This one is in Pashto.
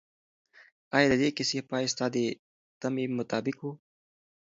آیا د دې کیسې پای ستا د تمې مطابق و؟